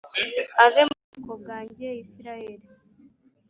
ave mu bwoko bwanjye isirayeli